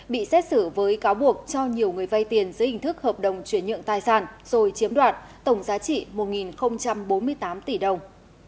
bị xét xử với cáo buộc cho nhiều người vay tiền dưới hình thức hợp đồng chuyển nhượng tài sản rồi chiếm đoạt tổng giá trị một bốn mươi tám tỷ đồng